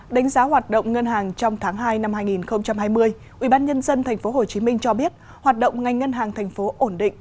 đánh giá hoạt động ngân hàng trong tháng hai năm hai nghìn hai mươi ubnd tp hcm cho biết hoạt động ngành ngân hàng thành phố ổn định